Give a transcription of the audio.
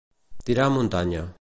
Tirar a muntanya.